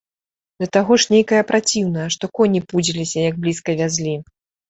Да таго ж нейкая праціўная, што коні пудзіліся, як блізка вязлі.